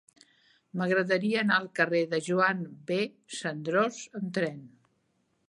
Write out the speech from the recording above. M'agradaria anar al carrer de Joan B. Cendrós amb tren.